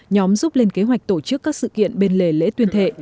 nhóm giúp lên kế hoạch tổ chức các sự kiện bên lề lễ tuyên thệ